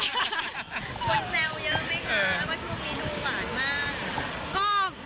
คนแซวเยอะไหมคะว่าช่วงนี้ดูหวานมาก